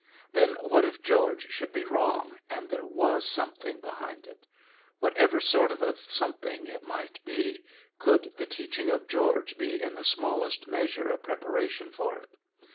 Then what if George should be wrong, and there WAS something behind it? Whatever sort of a something it might be, could the teaching of George be in the smallest measure a preparation for it?